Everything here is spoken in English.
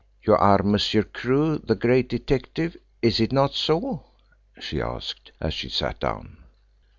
"You are Monsieur Crewe, the great detective is it not so?" she asked, as she sat down.